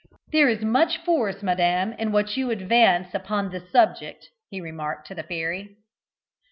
"There is much force, madam, in what you advance upon this subject," he remarked to the fairy.